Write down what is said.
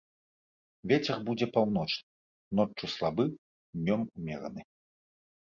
Вецер будзе паўночны, ноччу слабы, днём умераны.